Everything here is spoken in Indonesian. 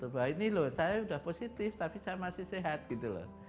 bahwa ini loh saya sudah positif tapi saya masih sehat gitu loh